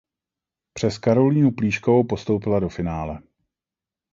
Přes Karolínu Plíškovou postoupila do finále.